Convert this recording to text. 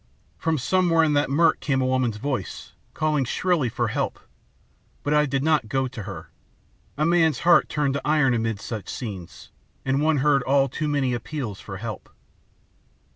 From somewhere in that murk came a woman's voice calling shrilly for help. But I did not go to her. A man's heart turned to iron amid such scenes, and one heard all too many appeals for help.